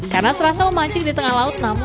karena serasa memancing ikan yang luar biasa